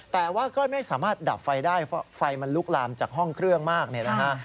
แต่ว่าก็ไม่สามารถดับไฟได้เพราะไฟมันลุกลามจากห้องเครื่องมากเนี่ยนะฮะ